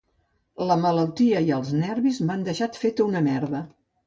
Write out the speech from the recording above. La malaltia i els nervis m'han deixat fet una merda.